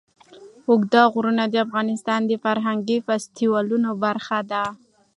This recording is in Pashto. اوږده غرونه د افغانستان د فرهنګي فستیوالونو برخه ده.